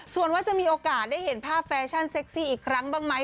ส่วนว่าจะมีโอกาสได้เห็นภาพแฟชั่นเซ็กซี่อีกครั้งบ้างไหม